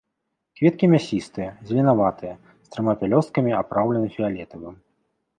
Кветкі мясістыя, зеленаватыя, з трыма пялёсткамі, апраўлены фіялетавым.